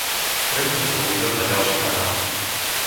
Prepnúť televízor na ďalší kanál.